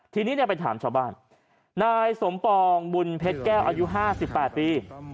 ทีนี้ไปถามชาวบ้านนายสมปองบุญเพชรแก้วอายุ๕๘ปี